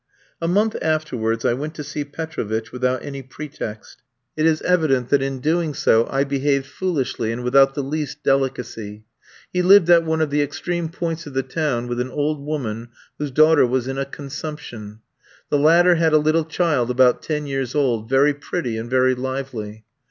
A month afterwards I went to see Petrovitch without any pretext. It is evident that, in doing so, I behaved foolishly, and without the least delicacy. He lived at one of the extreme points of the town with an old woman whose daughter was in a consumption. The latter had a little child about ten years old, very pretty and very lively.